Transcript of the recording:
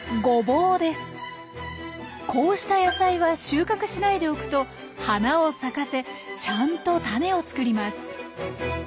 こうした野菜は収穫しないでおくと花を咲かせちゃんとタネを作ります。